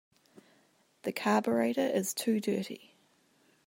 The carburettor is too dirty.